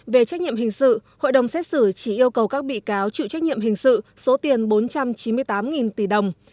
về trách nhiệm hình sự hội đồng xét xử chỉ yêu cầu các bị cáo chịu trách nhiệm hình sự số tiền bốn trăm chín mươi tám tỷ đồng